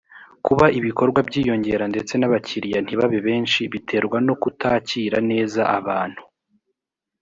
kuba ibikorwa byiyongera ndetse n’abakiriya ntibabe benshi biterwa no kutakira neza abantu